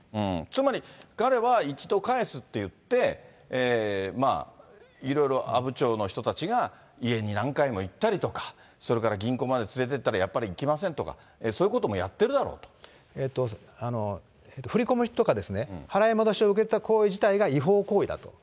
つまり彼は一度返すって言って、いろいろ阿武町の人たちが家に何回も行ったりとか、それから銀行まで連れていったら、やっぱり行きませんとか、そういうこともや振り込みとか払い戻しを受けた行為自体が違法行為だと。